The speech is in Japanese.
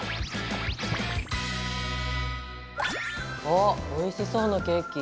あっおいしそうなケーキ。